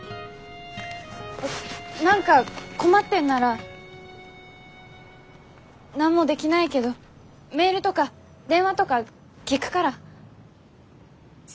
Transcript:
何か困ってんなら何もできないけどメールとか電話とか聞くから。